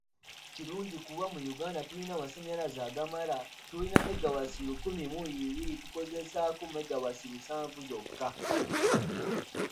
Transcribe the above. Kirungi kuba mu Uganda tulina amasannyaze agamala, tulina megawatts lukumi mu bibiri tukozesaako megawatts lusanvu zooka.